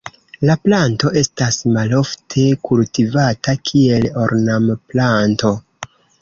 La planto estas malofte kultivata kiel ornamplanto.